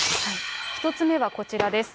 １つ目はこちらです。